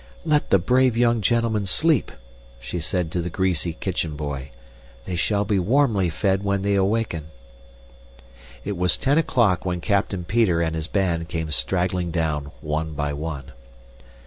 "Let the brave young gentlemen sleep," she said to the greasy kitchen boy. "They shall be warmly fed when they awaken." It was ten o'clock when Captain Peter and his band came straggling down one by one.